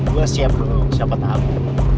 gue siap belum siapa tahu